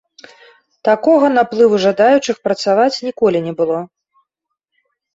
Такога наплыву жадаючых працаваць ніколі не было.